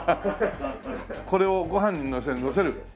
これをご飯にのせる。